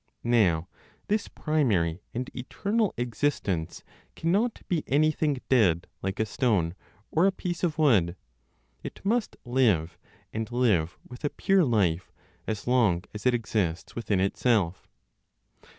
Now this primary and eternal existence can not be anything dead like a stone, or a piece of wood. It must live, and live with a pure life, as long as it exists within itself.